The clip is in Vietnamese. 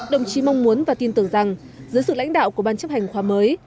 đồng chí mong muốn và tin tưởng rằng dưới sự lãnh đạo của ban chấp hành khoa mới